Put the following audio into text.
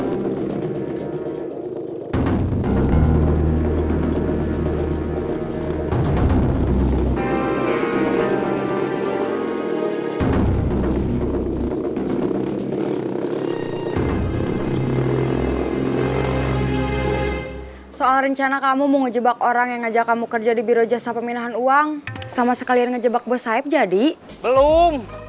hai soal rencana kamu menjebak orang yang ajak kamu kerja di biro jasa peminahan uang sama sekalian ngejebak bos saip jadi belum